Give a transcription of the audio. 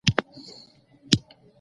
چوکۍ د غټانو لپاره پراخه وي.